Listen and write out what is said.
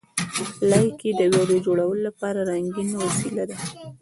لایکي د ویډیو جوړولو لپاره رنګین وسیله ده.